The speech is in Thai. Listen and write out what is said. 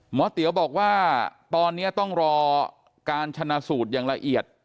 เตี๋ยวบอกว่าตอนนี้ต้องรอการชนะสูตรอย่างละเอียด